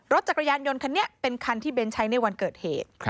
รถจักรยานยนต์คันนี้เป็นคันที่เบ้นใช้ในวันเกิดเหตุ